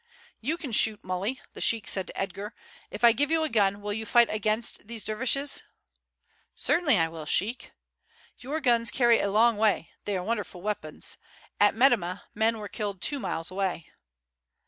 "You can shoot, Muley," the sheik said to Edgar. "If I give you a gun will you fight against these dervishes?" "Certainly I will, sheik." "Your guns carry a long way; they are wonderful weapons. At Metemmeh men were killed two miles away."